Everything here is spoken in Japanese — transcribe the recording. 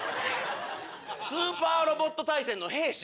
「スーパーロボット大戦の兵士」。